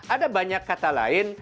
ada banyak kata lain